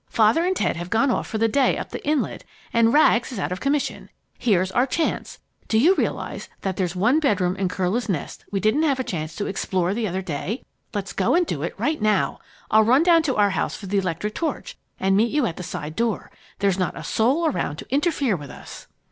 Father and Ted have gone off for the day up the inlet, and Rags is out of commission. Here's our chance. Do you realize that there's one bedroom in Curlew's Nest we didn't have a chance to explore the other day? Let's go and do it right now. I'll run down to our house for the electric torch and meet you at the side door. There's not a soul around to interfere with us!"